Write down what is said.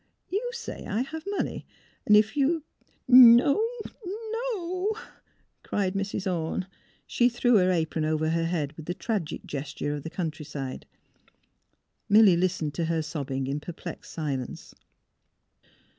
You say I have money. If you "'' No — no! " cried Mrs. Orne. She threw her apron over her head with the tragic gesture of the countryside. Milly listened to her sobbing in perplexed silence.